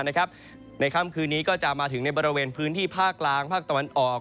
ในค่ำคืนนี้ก็จะมาถึงในบริเวณพื้นที่ภาคกลางภาคตะวันออก